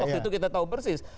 waktu itu kita tahu persis